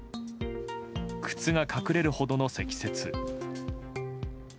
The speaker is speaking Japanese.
靴が隠れるほどの積雪。